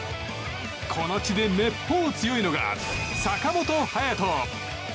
この地でめっぽう強いのが坂本勇人。